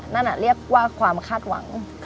นั่นเรียกว่าความคาดหวัง